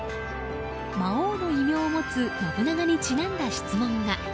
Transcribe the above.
魔王の異名を持つ信長にちなんだ質問が。